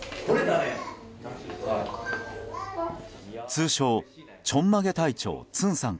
通称ちょんまげ隊長ツンさん